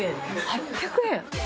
８００円？